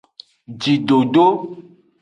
Jidodo.